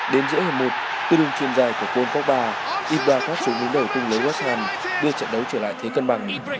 đến giữa hầm một tư đông trên dài của pol pot ba ibrahimovic thắt xuống lưới đầu cung lưới west ham đưa trận đấu trở lại thế cân bằng